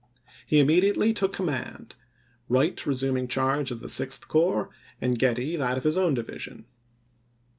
He immediately took com mand, Wright resuming charge of the Sixth Corps and Getty that of his own division.